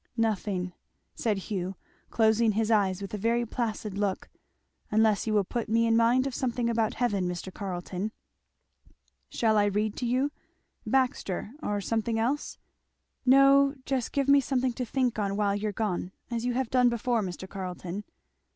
"Nothing " said Hugh, closing his eyes with a very placid look; "unless you will put me in mind of something about heaven, Mr. Carleton." "Shall I read to you? Baxter, or something else?" "No just give me something to think of while you're gone, as you have done before, Mr. Carleton."